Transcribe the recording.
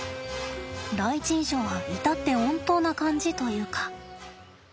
第一印象は至って穏当な感じというか。